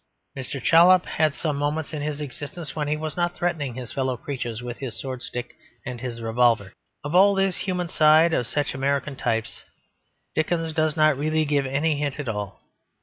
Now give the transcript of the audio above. Mr. Chollop had some moments in his existence when he was not threatening his fellow creatures with his sword stick and his revolver. Of all this human side of such American types Dickens does not really give any hint at all.